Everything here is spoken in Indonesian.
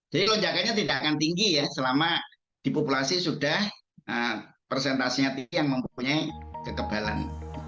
jadi lonjakannya tidak akan tinggi ya selama di populasi sudah persentasenya tinggi yang mempunyai kekebalan